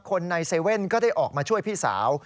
คนใน๗๑๑ก็ได้ออกมาช่วยพี่สาว